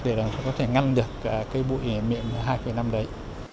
để là nó có thể ngăn được cái bụi mịn hai năm đấy